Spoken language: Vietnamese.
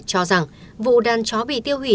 cho rằng vụ đàn chó bị tiêu hủy